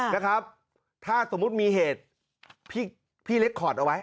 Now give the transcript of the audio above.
นะครับถ้าสมมุติมีเหตุพี่เล็กคอร์ดเอาไว้